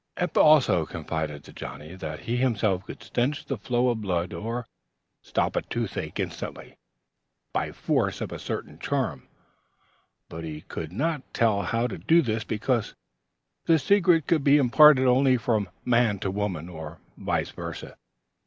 Eph also confided to Johnnie that he himself could stanch the flow of blood or stop a toothache instantly by force of a certain charm, but he could not tell how to do this because the secret could be imparted only from man to woman, or vice versa.